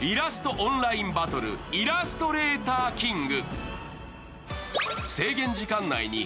オンラインバトル、「イラストレーターキング」。